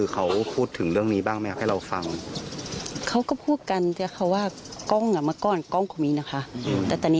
การถือว่าที่ครับเป็นยังไงบ้างครับ